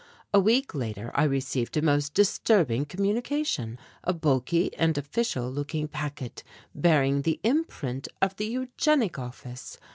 A week later I received a most disturbing communication, a bulky and official looking packet bearing the imprint of the Eugenic Office.